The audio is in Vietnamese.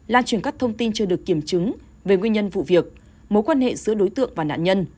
lan truyền các thông tin chưa được kiểm chứng về nguyên nhân vụ việc mối quan hệ giữa đối tượng và nạn nhân